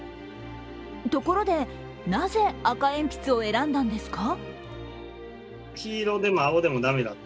ところで、なぜ赤鉛筆を選んだんですか？